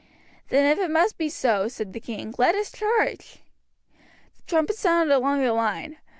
"Then if it must be so," said the king, "let us charge." The trumpet sounded along the line.